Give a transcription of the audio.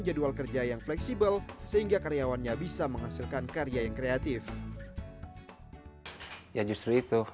jadwal kerja yang fleksibel sehingga karyawannya bisa menghasilkan karya yang kreatif ya justru itu